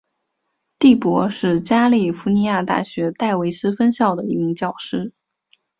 第伯是加利福尼亚大学戴维斯分校的一名教师。